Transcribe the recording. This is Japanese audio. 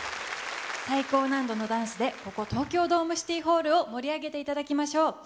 最高難度のダンスで、ここ、東京ドームシティホールを盛り上げていただきましょう。